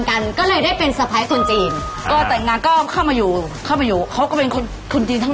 ถ้าจะได้คุยกันแต่ละครั้งเฮียแบบต้องส่งลูกไปส่งลูกมา